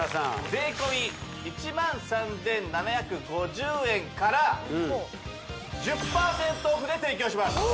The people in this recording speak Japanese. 税込１３７５０円から１０％オフで提供します